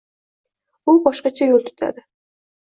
U boshqacha yo‘l tutadi.